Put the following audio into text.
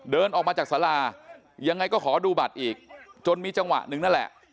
เดินออกมาจากสารายังไงก็ขอดูบัตรอีกจนมีจังหวะหนึ่งนั่นแหละ